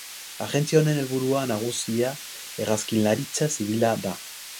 Agentzia honen helburu nagusia hegazkinlaritza zibila da.